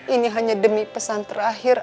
ini hanya demi pesan terakhir